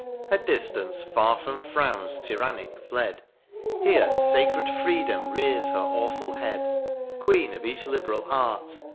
At diftance far from frowns tyrannic fled. Here facred Freedom rears her awful head ; Queen of each liberal art